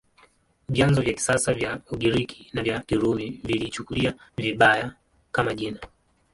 Vyanzo vya kisasa vya Ugiriki na vya Kirumi viliichukulia vibaya, kama jina.